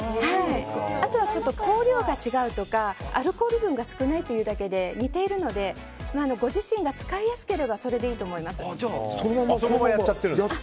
あとは、香料が違うとかアルコール分が少ないというだけで似ているのでご自身が使いやすければじゃあそのままやっちゃって。